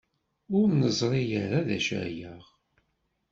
Ur neẓri ara d acu-yaɣ.